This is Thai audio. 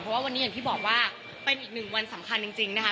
เพราะว่าวันนี้อย่างที่บอกว่าเป็นอีกหนึ่งวันสำคัญจริงนะคะ